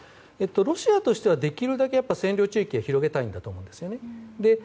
ロシアとしてはできるだけ占領地域は広げたいと思うんですね。